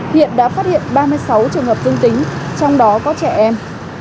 hiện đã phát hiện ba mươi sáu trường hợp dương tính trong đó có trẻ em